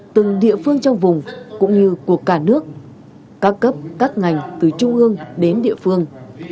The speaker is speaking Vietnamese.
từng địa phương trong vùng cũng như của cả nước các cấp các ngành từ trung ương đến địa phương